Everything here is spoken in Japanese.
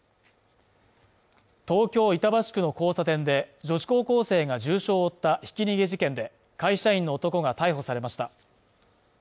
東京・板橋区の交差点で、女子高校生が重傷を負ったひき逃げ事件で、会社員の男が逮捕されました。